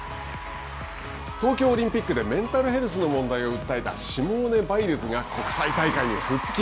東京オリンピックでメンタルヘルスの問題を訴えた、シモーネ・バイルズが国際大会に復帰。